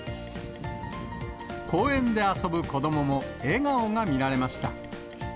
公園で遊ぶ子どもも笑顔が見られました。